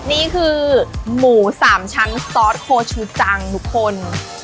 นี่คือหมูสามชั้นซอสโคชูจังทุกคน